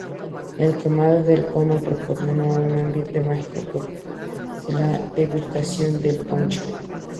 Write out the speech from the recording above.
El quemado del cono proporciona un ambiente mágico, que favorece la degustación del ponche.